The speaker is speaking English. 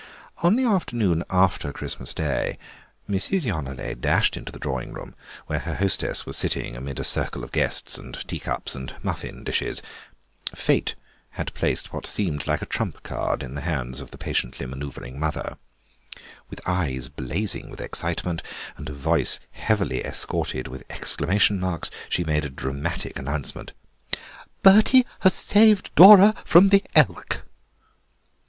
On the afternoon after Christmas Day Mrs. Yonelet dashed into the drawing room, where her hostess was sitting amid a circle of guests and teacups and muffin dishes. Fate had placed what seemed like a trump card in the hands of the patiently manoeuvring mother. With eyes blazing with excitement and a voice heavily escorted with exclamation marks she made a dramatic announcement. "Bertie has saved Dora from the elk!"